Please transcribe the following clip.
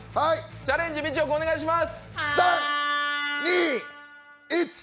チャレンジ、みちおくんお願いします。